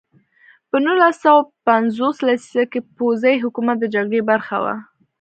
په نولس سوه پنځوس لسیزه کې پوځي حکومت د جګړې برخه وه.